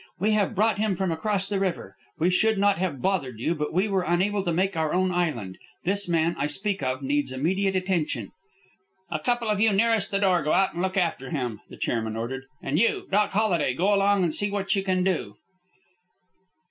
We have brought him from across the river. We should not have bothered you, but we were unable to make our own island. This man I speak of needs immediate attention." "A couple of you nearest the door go out and look after him," the chairman ordered. "And you, Doc Holiday, go along and see what you can do."